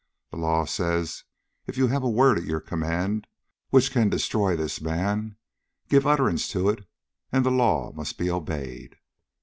The law says if you have a word at your command which can destroy this man, give utterance to it; and the law must be obeyed."